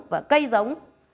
và cây giống